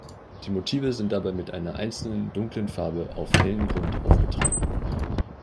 Die Motive sind dabei mit einer einzelnen dunklen Farbe auf hellen Grund aufgetragen.